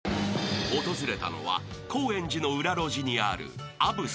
［訪れたのは高円寺の裏路地にある］